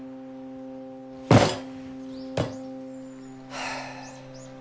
はあ。